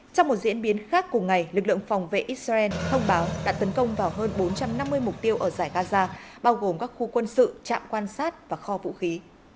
trong một diễn biến khác cùng ngày lực lượng phòng vệ israel thông báo đã tấn công vào hơn bốn trăm năm mươi mục tiêu ở giải gaza bao gồm các khu quân sự trạm quan sát và kho vũ khí